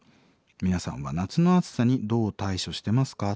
皆さんは夏の暑さにどう対処してますか？」。